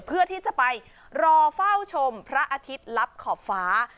เพื่อที่จะไปรอเฝ้าชมพระอาทิตย์ลับขอบฟ้า